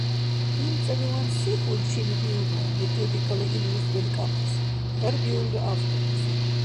— ИмцӀаливан се хьулчилибиуба методикала ил жуз белкӀахъес? — хьарбиулра авторлизи.